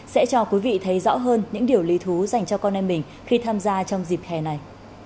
sẽ cho quý vị thấy rõ hơn những điều lý thú dành cho con em mình khi tham gia trong dịp hè này